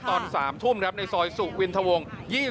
ตอน๓ทุ่มครับในซอยสุวินทวง๒๕